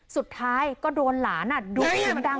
สุดท้ายก็โดนหลานดุมดัง